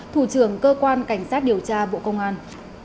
thủ trưởng cơ quan cảnh sát điều tra bộ công an